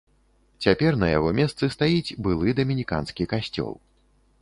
Цяпер на яго месцы стаіць былы дамініканскі касцёл.